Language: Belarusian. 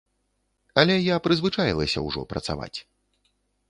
Але я прызвычаілася ўжо працаваць.